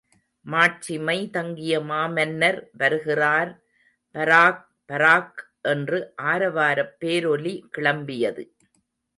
மாட்சிமை தங்கிய மாமன்னர் வருகிறார்!.. பராக்... பராக்! என்று ஆரவாரப் பேரொலி கிளம்பியது.